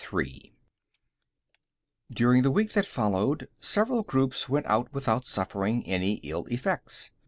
During the week that followed, several groups went out without suffering any ill effects.